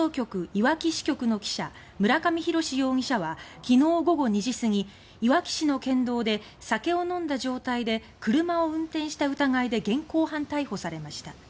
いわき支局の記者村上浩容疑者は昨日午後２時過ぎいわき市の県道で酒を飲んだ状態で車を運転した疑いで現行犯逮捕されました。